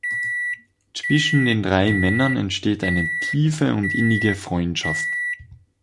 Zwischen den drei Männern entsteht eine tiefe und innige Freundschaft.